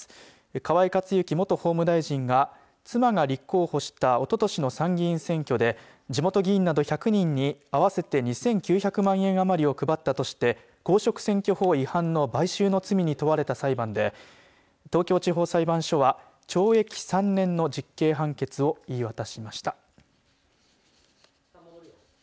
河井克行元法務大臣が妻が立候補したおととしの参議院選挙で地元議員など１００人に合わせて２９００万円余りを配ったとして公職選挙法違反の買収の罪に問われた裁判で東京地方裁判所は懲役３年の実刑判決を言い渡しました。